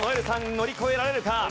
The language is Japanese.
乗り越えられるか？